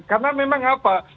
karena memang apa